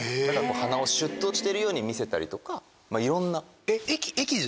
鼻をシュっとしてるように見せたりとかいろんな。